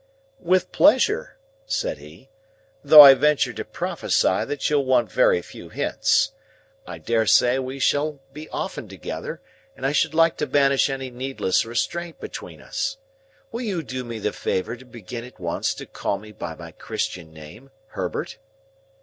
"With pleasure," said he, "though I venture to prophesy that you'll want very few hints. I dare say we shall be often together, and I should like to banish any needless restraint between us. Will you do me the favour to begin at once to call me by my Christian name, Herbert?"